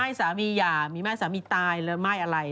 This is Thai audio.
ม่ายสามีหย่ามีม่ายสามีตายหรือม่ายอะไร